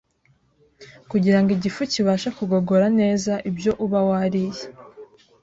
kugira ngo igifu kibashe kugogora neza ibyo uba wariye